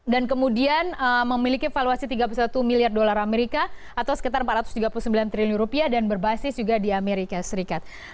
dan kemudian memiliki valuasi tiga puluh satu miliar dolar amerika atau sekitar empat ratus tiga puluh sembilan triliun rupiah dan berbasis juga di amerika serikat